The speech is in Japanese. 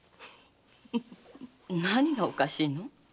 何がおかしいの？